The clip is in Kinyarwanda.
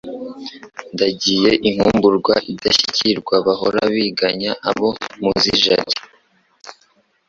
Ndagiye inkumburwa idashyikirwaBahora biganya abo mu z' Ijari